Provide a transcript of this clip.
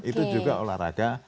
itu juga olahraga